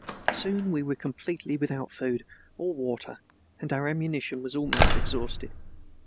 Soon we were completely without any food or water and our ammunition was almost exhausted.